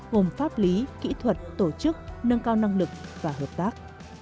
gồm pháp lý kỹ thuật tổ chức nâng cao năng lực và hợp tác